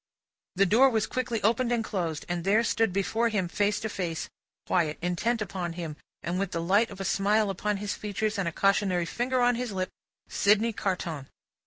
The door was quickly opened and closed, and there stood before him face to face, quiet, intent upon him, with the light of a smile on his features, and a cautionary finger on his lip, Sydney Carton.